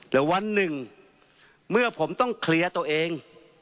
แต่วันหนึ่งเมื่อผมต้องเคลียร์ตัวเอง